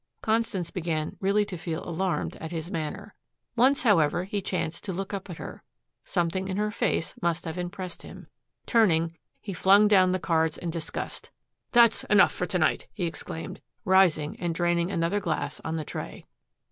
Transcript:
Constance began really to feel alarmed at his manner. Once, however, he chanced to look up at her. Something in her face must have impressed him. Turning, he flung down the cards in disgust. "That's enough for to night," he exclaimed, rising and draining another glass on the tray.